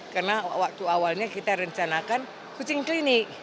karena waktu awalnya kita rencanakan kucing klinik